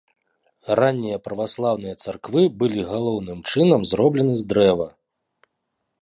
Раннія праваслаўныя царквы былі галоўным чынам зроблены з дрэва.